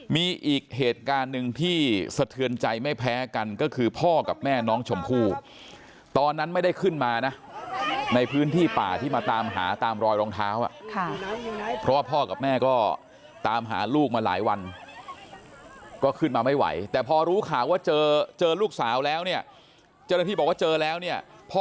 มีอีกเหตุการณ์หนึ่งที่